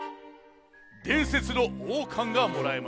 でんせつのおうかんがもらえます。